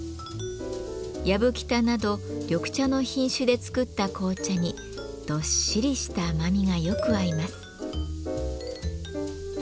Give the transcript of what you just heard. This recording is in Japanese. やぶきたなど緑茶の品種で作った紅茶にどっしりした甘みがよく合います。